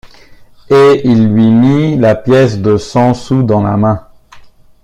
Et il lui mit la pièce de cent sous dans la main.